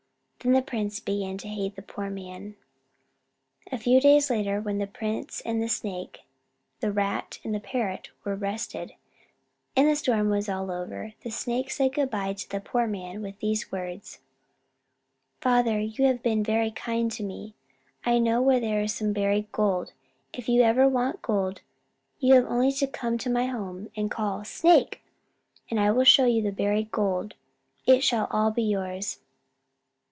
Then the prince began to hate the poor man. A few days later, when the prince, and the Snake, the Rat, and the Parrot were rested, and the storm was all over, the Snake said good by to the poor man with these words: "Father, you have been very kind to me. I know where there is some buried gold. If ever you want gold, you have only to come to my home and call, 'Snake!' and I will show you the buried gold. It shall all be yours."